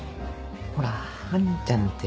ほらアンちゃんってさ